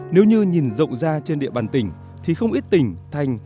nếu như nhìn rộng ra trên địa bàn tỉnh thì không ít tỉnh thành